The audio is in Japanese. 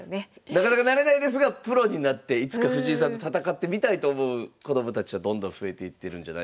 なかなかなれないですがプロになっていつか藤井さんと戦ってみたいと思う子どもたちはどんどん増えていってるんじゃないでしょうか。